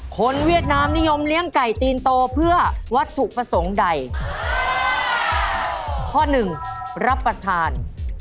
ข้อหนึ่งรับประทาน